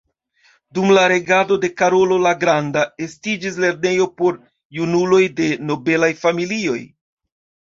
Dum la regado de Karolo la Granda estiĝis lernejo por junuloj de nobelaj familioj.